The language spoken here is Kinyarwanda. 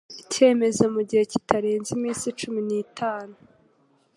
icyemezo mu gihe kitarenze iminsi cumi n itanu